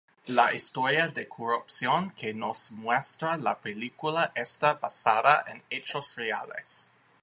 La historia de corrupción que nos muestra la película está basada en hechos reales.